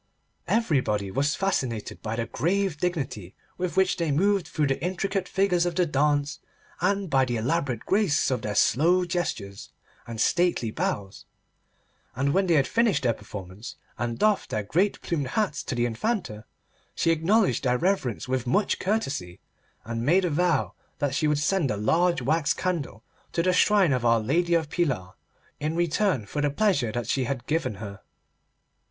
Everybody was fascinated by the grave dignity with which they moved through the intricate figures of the dance, and by the elaborate grace of their slow gestures, and stately bows, and when they had finished their performance and doffed their great plumed hats to the Infanta, she acknowledged their reverence with much courtesy, and made a vow that she would send a large wax candle to the shrine of Our Lady of Pilar in return for the pleasure that she had given her.